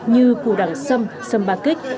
như củ đằng xâm xâm ba kích